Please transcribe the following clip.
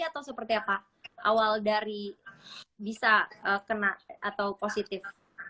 atau seperti apa awal dari bisa kena atau positif